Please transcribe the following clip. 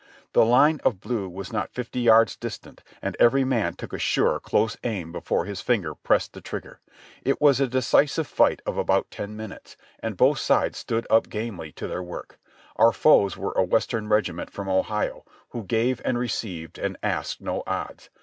The line of blue was not fifty yards distant and every man took a sure, close aim before his finger pressed the trigger. It was a decisive fight of about ten minutes. THE SECOND MANASSAS 249 and both sides stood up gamely to their work. Our foes were a ^Vestern regiment from Ohio, who gave and received and asked no odds.